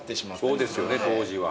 そうですよね当時は。